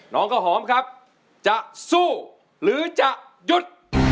น้องข้าวหอมครับจะสู้หรือจะหยุด